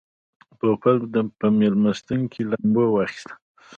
پوپل په مېلمستون کې لامبو واخیسته.